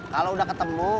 kalau udah ketemu